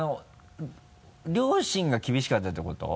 両親が厳しかったってこと？